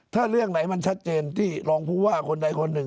ถ้าเรื่องไหนมันชัดเจนที่รองผู้ว่าคนใดคนหนึ่ง